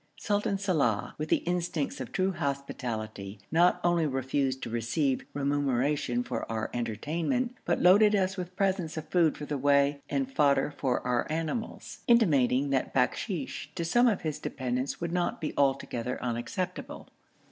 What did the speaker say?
Sultan Salàh, with the instincts of true hospitality, not only refused to receive remuneration for our entertainment, but loaded us with presents of food for the way and fodder for our animals, intimating that 'bakshish' to some of his dependents would not be altogether unacceptable.